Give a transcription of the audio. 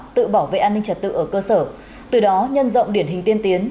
tự bảo vệ an ninh trật tự ở cơ sở từ đó nhân rộng điển hình tiên tiến